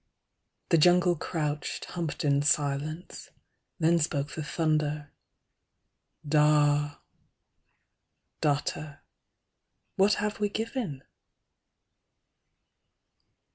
The jungle crouched, humped in silence. Then spoke the thunder DA 400 Datta: what have we given?